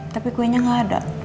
tapi kuenya gak ada